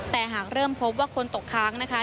แต่หากเริ่มพบว่าคนตกค้างนะคะ